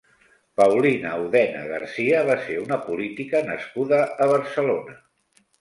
Paulina Odena García va ser una política nascuda a Barcelona.